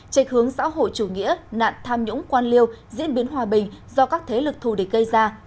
trách hướng xã hội chủ nghĩa nạn tham nhũng quan liêu diễn biến hòa bình do các thế lực thù địch gây ra